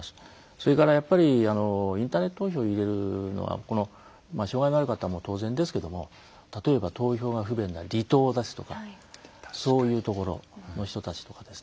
それからインターネット投票を入れるのは障害のある方も当然ですけども例えば投票が不便な離島ですとかそういうところの人たちとかですね。